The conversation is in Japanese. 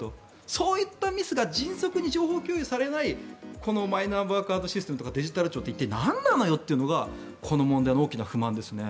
そういったミスが迅速に情報共有されないこのマイナンバーカードシステムとかデジタル庁って一体、なんなのよというのがこの問題の大きな不満ですね。